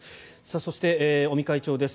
そして、尾身会長です。